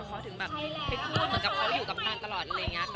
เขาถึงแบบเหมือนกับเขาอยู่กับนางตลอดอะไรอย่างนี้